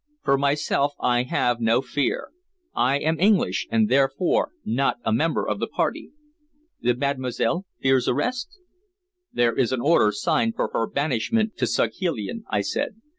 "For myself, I have no fear. I am English, and therefore not a member of the Party." "The Mademoiselle fears arrest?" "There is an order signed for her banishment to Saghalein," I said.